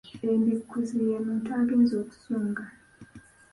Embikuzi ye muntu agenze okusunga.